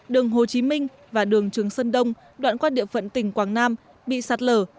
đường hồ chí minh và đường trường sơn đông đoạn qua địa phận tỉnh quảng nam bị sạt lở